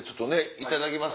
いただきます。